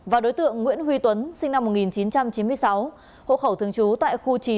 và đối tượng nguyễn huy tuấn sinh năm một nghìn chín trăm chín mươi sáu hộ khẩu thường trú tại khu chín